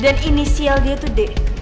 dan inisial dia itu d